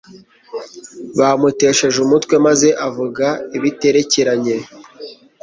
bamutesheje umutwe maze avuga ibiterekeranye